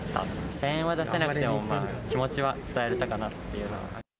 声援は出せなくても、気持ちは伝えられたかなって。